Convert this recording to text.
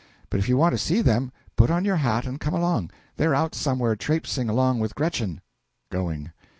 But if you want to see them, put on your hat and come along; they're out somewhere trapseing along with Gretchen. (Going.)